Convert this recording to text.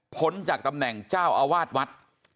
จากตำแหน่งเจ้าอาวาสวัด